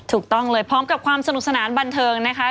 ถูกต้องเลยพร้อมกับความสนุกสนานบันเทิงนะคะ